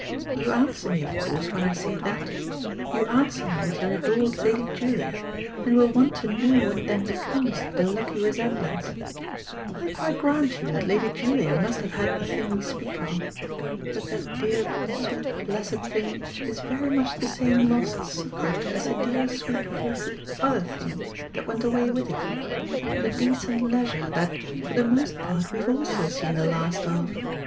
You answer me of course, when I say THAT, you answer me with your adored Lady Julia, and will want to know what then becomes of the lucky resemblance. I quite grant you that Lady Julia must have had the thing we speak of. But that dear sweet blessed thing is very much the same lost secret as the dear sweet blessed OTHER thing that went away with it the decent leisure that, for the most part, we've also seen the last of.